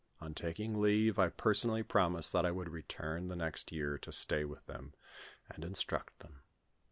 On taking leave, I personally promised that I would return the next year to stay with them, and instruct them.